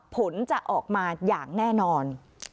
ผลจะออกมาอย่างแน่นอน